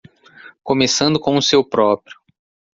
Começando com o seu próprio.